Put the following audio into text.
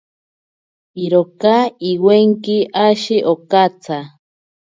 Iroka iwenki ashi okatsa.